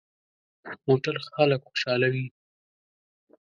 موټر خلک خوشحالوي.